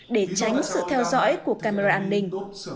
để tránh sự theo dõi của camera an ninh